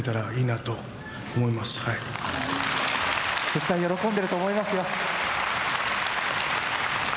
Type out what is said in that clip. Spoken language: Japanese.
絶対喜んでると思いますよ。